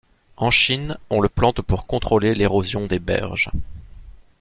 En Chine, on le plante pour contrôler l’érosion des berges.